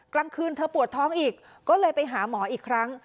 กลางคืนเธอปวดท้องอีกก็เลยไปหาหมออีกครั้ง